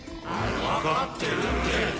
「分かってるって」。